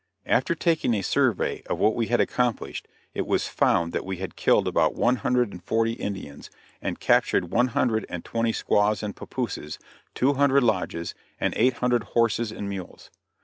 After taking a survey of what we had accomplished, it was found that we had killed about one hundred and forty Indians, and captured one hundred and twenty squaws and papooses, two hundred lodges, and eight hundred horses and mules.